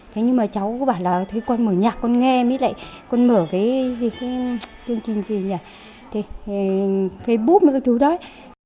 thế nhưng mà cháu cũng bảo là con mở nhạc con nghe con mở cái tương trình gì nhỉ facebook mấy cái thứ đấy